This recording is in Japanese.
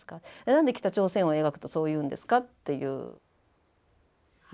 何で北朝鮮を描くとそう言うんですかっていう話で。